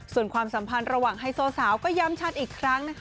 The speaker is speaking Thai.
ส่วนความสัมพันธ์ระหว่างไฮโซสาวก็ย้ำชัดอีกครั้งนะคะ